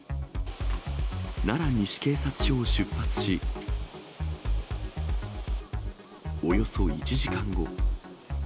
奈良西警察署を出発し、およそ１時間後。